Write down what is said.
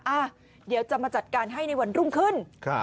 อ่ะเดี๋ยวจะมาจัดการให้ในวันรุ่งขึ้น